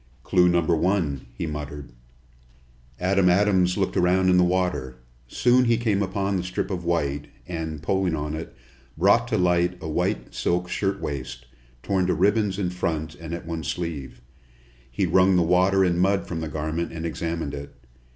"Clue number one!" he muttered. Adam Adams looked around in the water. Soon he came upon the strip of white, and, pulling on it, brought to light a white silk shirtwaist, torn to ribbons in front and at one sleeve. He wrung the water and mud from the garment and examined it.